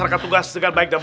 ini kau makan